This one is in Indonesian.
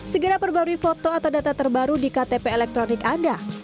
segera perbarui foto atau data terbaru di ktp elektronik anda